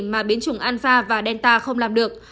mà biến chủng alpha và delta không làm được